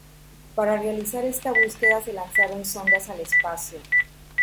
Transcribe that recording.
Para realizar esta búsqueda, se lanzaron sondas al espacio.